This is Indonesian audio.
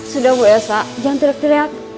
sudah bu elsa jangan tereak tereak